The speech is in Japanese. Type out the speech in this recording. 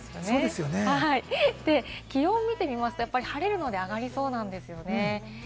気温を見てみますと晴れるので上がりそうなんですよね。